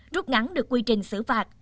rút ngắn được quy trình xử phạt